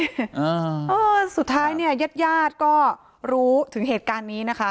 เห็นแล้วสิสุดท้ายเนี่ยญาติก็รู้ถึงเหตุการณ์นี้นะคะ